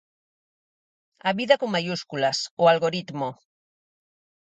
A vida con maiúsculas, o algoritmo.